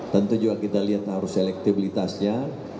tentu juga kita harus lihat selektibilitasnya